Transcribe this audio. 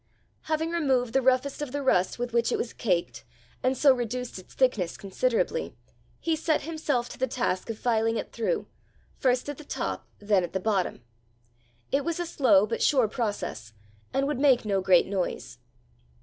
Having removed the roughest of the rust with which it was caked, and so reduced its thickness considerably, he set himself to the task of filing it through, first at the top then at the bottom. It was a slow but a sure process, and would make no great noise.